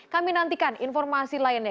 kami nantikan informasi lainnya